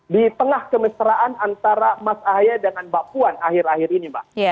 di tengah kemesraan antara mas ahaya dengan mbak puan akhir akhir ini mbak